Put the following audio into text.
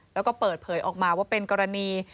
แล้วก็เปิดเผยออกมาว่าเป็นกรณี